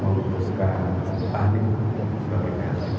menguruskan sebuah panding